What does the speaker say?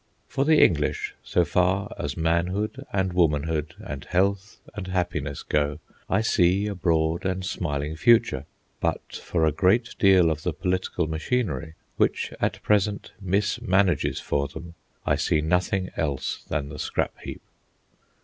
For the English, so far as manhood and womanhood and health and happiness go, I see a broad and smiling future. But for a great deal of the political machinery, which at present mismanages for them, I see nothing else than the scrap heap.